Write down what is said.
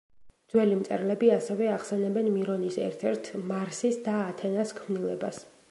ძველი მწერლები ასევე ახსენებენ მირონის ერთ-ერთ „მარსის და ათენას“ ქმნილებას.